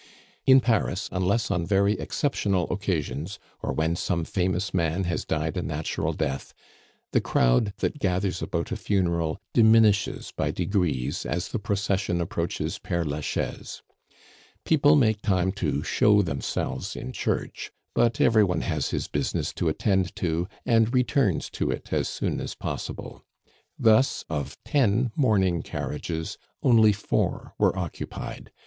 In Paris, unless on very exceptional occasions, or when some famous man has died a natural death, the crowd that gathers about a funeral diminishes by degrees as the procession approaches Pere Lachaise. People make time to show themselves in church; but every one has his business to attend to, and returns to it as soon as possible. Thus of ten mourning carriages, only four were occupied.